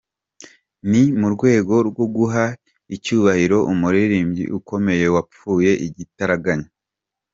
Ni mu rwego rwo guha icyubahiro umuririmbyi ukomeye wapfuye igitaraganya.